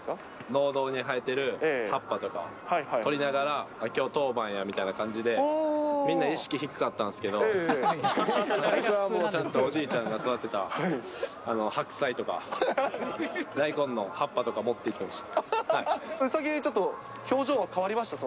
農道に生えてる葉っぱとかを取りながら、きょう当番やみたいな感じで、みんな意識低かったんですけど、僕はもうちゃんとおじいちゃんが育てた白菜とか、大根の葉っぱとうさぎ、ちょっと表情は変わりました？